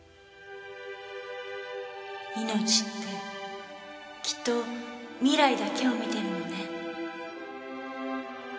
命ってきっと未来だけを見てるのね。